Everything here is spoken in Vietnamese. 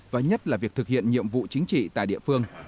và nhất là việc thực hiện nhiệm vụ chính trị tại địa phương